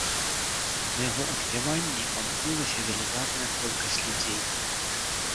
На яго адпяванні памкнулася велізарная колькасць людзей.